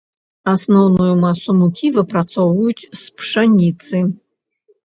Асноўную масу мукі выпрацоўваюць з пшаніцы.